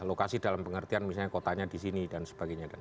lokasi dalam pengertian misalnya kotanya di sini dan sebagainya